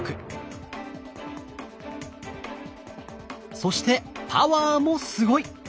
そしてパワーもすごい！